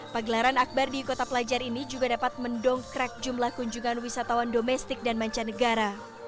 pagelaran akbar di kota pelajar ini juga dapat mendongkrak jumlah kunjungan wisatawan domestik dan mancanegara